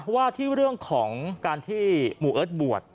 ว่าที่เรื่องของการที่หมู่เอิร์ทบวช